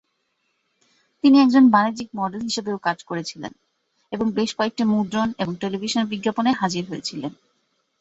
তিনি একজন বাণিজ্যিক মডেল হিসাবেও কাজ করেছিলেন এবং বেশ কয়েকটি মুদ্রণ এবং টেলিভিশন বিজ্ঞাপনে হাজির হয়েছিলেন।